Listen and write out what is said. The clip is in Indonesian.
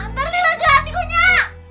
ntar lila ganti gua nyak